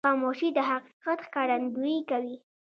خاموشي، د حقیقت ښکارندویي کوي.